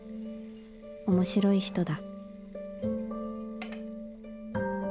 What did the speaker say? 面白い人だ」。